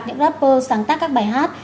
những rapper sáng tác các bài hát